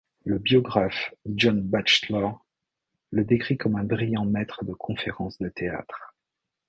Le biographe John Batchelor le décrit comme un brillant maître de conférences de théâtre.